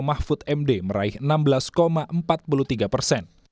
mahfud md meraih enam belas empat puluh tiga persen